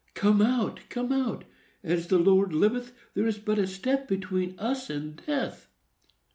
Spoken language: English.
Come out, come out! As the Lord liveth, there is but a step between us and death!"